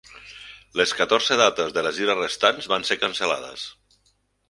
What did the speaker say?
Les catorze dates de la gira restants van ser cancel·lades.